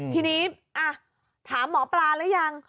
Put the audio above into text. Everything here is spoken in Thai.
ทีนี้ถามหมอปลาหรือยัง